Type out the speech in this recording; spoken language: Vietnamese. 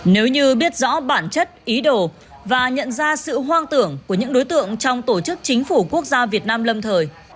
nếu như biết rõ bản chất ý đồ và nhận ra sự hoang tưởng của những đối tượng trong tổ chức chính phủ quốc gia việt nam lâm thời